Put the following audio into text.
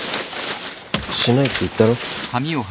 しないって言ったろ？